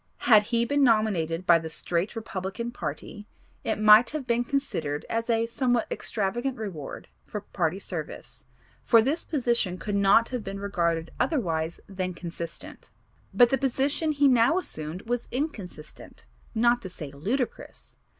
Had he been nominated by the straight Republican party it might have been considered as a somewhat extravagant reward for party service for this position could not have been regarded otherwise than consistent; but the position he now assumed was inconsistent, not to say ludicrous.